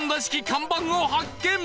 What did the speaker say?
看板を発見